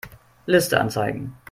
Liste anzeigen.